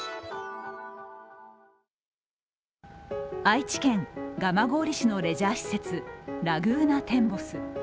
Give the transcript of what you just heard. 愛知県蒲郡市のレジャー施設、ラグーナテンボス。